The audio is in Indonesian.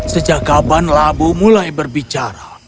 sejak kapan labu mulai berbicara